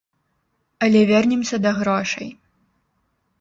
Але вернемся да грошай.